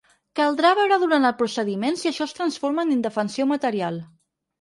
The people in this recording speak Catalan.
Caldrà veure durant el procediment si això es transforma en indefensió material.